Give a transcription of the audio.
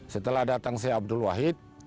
setelah datang si abdul wahid